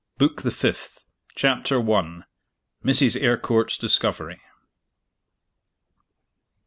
BOOK THE FIFTH. CHAPTER I. MRS. EYRECO URT'S DISCOVERY.